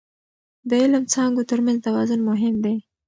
د علم څانګو ترمنځ توازن مهم دی.